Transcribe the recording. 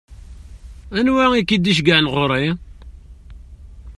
Anwa i k-id-iceggɛen ɣur-i?